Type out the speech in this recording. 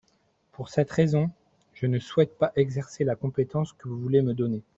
Pour cette raison, je ne souhaite pas exercer la compétence que vous voulez me donner.